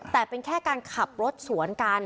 แต่เป็นแค่การขับรถสวนกัน